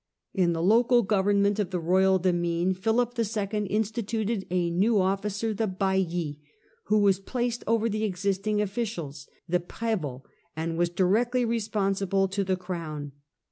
In the local government of the royal demesne Philip II. instituted a new officer, the hailli, who was placed over the existing officials, the prSvots, and was directly responsible to the crown.